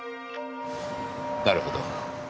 なるほど。